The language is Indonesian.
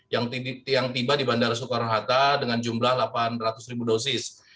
yang tiba di bandara soekarno hatta dengan jumlah delapan ratus ribu dosis